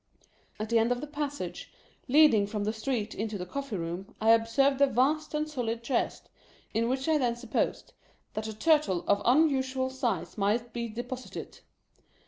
At the end of the passage, leading from the street into the coffee room, I observed a vast and solid chest, in which I then supposed that a Turtle of unusual size might be deposited.